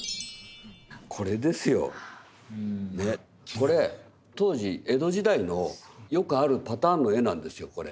これ当時江戸時代のよくあるパターンの絵なんですよこれ。